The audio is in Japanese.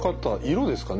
色ですかね